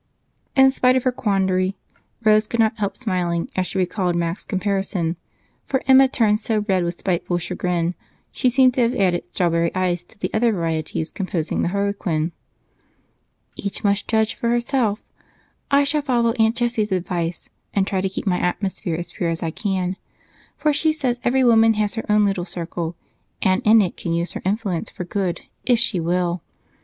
In spite of her quandary, Rose could not help smiling as she recalled Mac's comparison, for Emma turned so red with spiteful chagrin, she seemed to have added strawberry ice to the other varieties composing the Harlequin. "Each must judge for herself. I shall follow Aunt Jessie's advice and try to keep my atmosphere as pure as I can, for she says every woman has her own little circle and in it can use her influence for good, if she will.